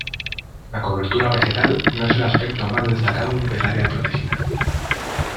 La cobertura vegetal no es el aspecto más destacado del área protegida.